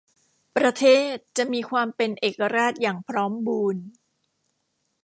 ประเทศจะมีความเป็นเอกราชอย่างพร้อมบูรณ์